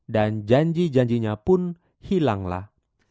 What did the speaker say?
dan janji janjinya pun hilanglah